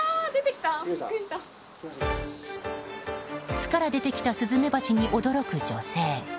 巣から出てきたスズメバチに驚く女性。